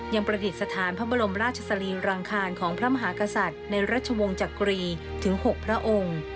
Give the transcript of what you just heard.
ประดิษฐานพระบรมราชสรีรังคารของพระมหากษัตริย์ในราชวงศ์จักรีถึง๖พระองค์